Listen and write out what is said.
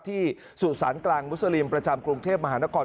สูตรสารกลางมุสลิมประจำกรุงเทพมหานคร